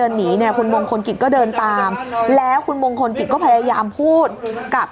หนีเนี่ยคุณมงคลกิจก็เดินตามแล้วคุณมงคลกิจก็พยายามพูดกับ